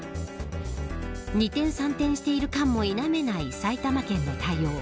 二転三転している感も否めない埼玉県の対応。